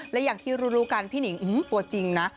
และอย่างที่รู้กันพี่หนิงตัวจริงนะ